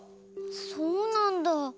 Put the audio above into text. そうなんだ。